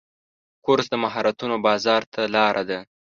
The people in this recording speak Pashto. کورس د مهارتونو بازار ته لاره ده.